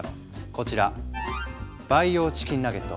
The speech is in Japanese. こちら培養チキンナゲット。